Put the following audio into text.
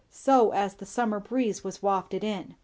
So as the summer breeze was wafted in.